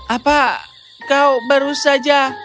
apa kau baru saja